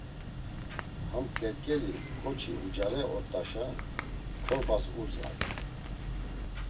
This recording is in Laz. Ham ǩerǩeli ǩoçi ucare ort̆aşa korbas udzğay.